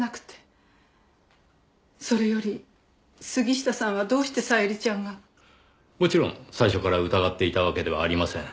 それより杉下さんはどうして小百合ちゃんが。もちろん最初から疑っていたわけではありません。